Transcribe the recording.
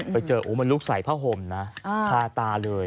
ไปเจอมันลุกใส่ผ้าห่มนะคาตาเลย